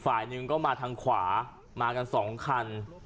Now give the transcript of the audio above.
ฝ่ายหนึ่งก็มาทางขวามากันสองคัน